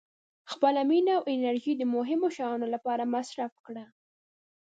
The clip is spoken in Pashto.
• خپله مینه او انرژي د مهمو شیانو لپاره مصرف کړه.